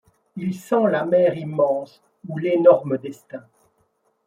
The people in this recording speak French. Il sent la mer immense ou l'énorme destin.